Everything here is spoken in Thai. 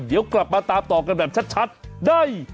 เดี๋ยวกลับมาตามต่อกันแบบชัดได้